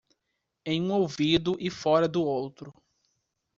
Em um ouvido e fora do outro.